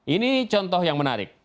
ini contoh yang menarik